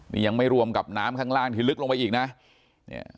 นี่ยังไม่รวมกับน้ำข้างล่างที่ลึกลงไปอีกนะเนี่ย